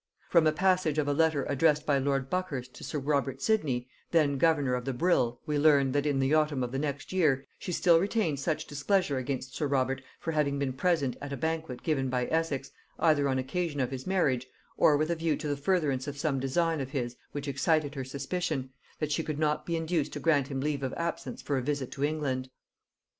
From a passage of a letter addressed by lord Buckhurst to sir Robert Sidney, then governor of the Brill, we learn, that in the autumn of the next year she still retained such displeasure against sir Robert for having been present at a banquet given by Essex, either on occasion of his marriage, or with a view to the furtherance of some design of his which excited her suspicion, that she could not be induced to grant him leave of absence for a visit to England.